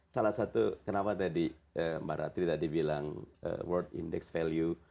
salah satu kenapa tadi mbak ratri tadi bilang world index value